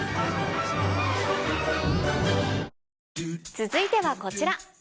続いてはこちら。